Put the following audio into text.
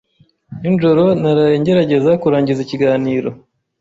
Nijoro naraye ngerageza kurangiza ikiganiro.